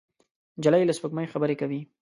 نجلۍ له سپوږمۍ خبرې کوي.